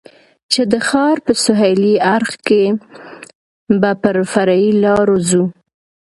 چې د ښار په سهېلي اړخ کې به پر فرعي لارو ځو.